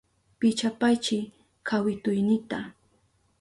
Pichapaychi kawituynita.